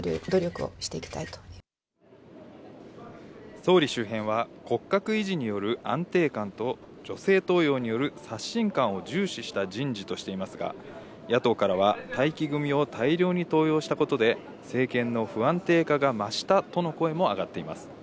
総理周辺は骨格維持による安定感と女性登用による刷新感を重視した人事としていますが、野党からは、待機組を大量に登用したことで政権の不安定化がましたとの声も上がっています。